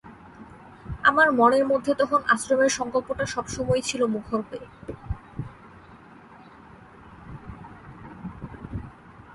আমার মনের মধ্যে তখন আশ্রমের সংকল্পটা সব সময়েই ছিল মুখর হয়ে।